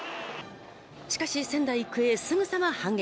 しかし仙台育英すぐさま反撃